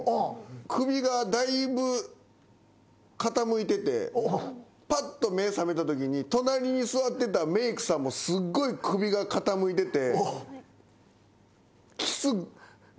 首がだいぶ傾いててぱっと目覚めたときに隣に座ってたメークさんもすっごい首が傾いてて。